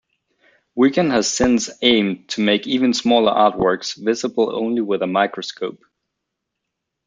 Wigan has since aimed to make even smaller artworks, visible only with a microscope.